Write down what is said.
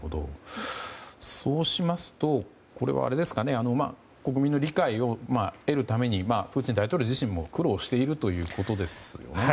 そうしますとこれは、国民の理解を得るためにプーチン大統領自身も苦労しているということですね。